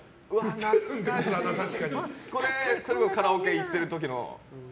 これはカラオケ行ってる時の。